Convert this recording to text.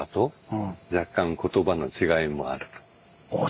ああ